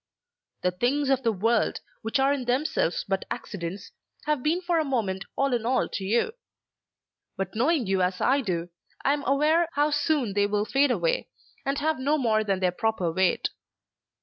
"The things of the world, which are in themselves but accidents, have been for a moment all in all to you; but knowing you as I do, I am aware how soon they will fade away, and have no more than their proper weight.